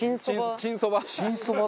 チンそばだ。